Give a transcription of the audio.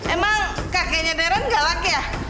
emang kakenya darren galak ya